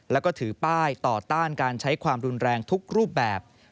แล้วก็ถือป้ายต่อต้านการใช้ความรุนแรงทุกรูปแบบ